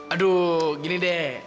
aduh gini deh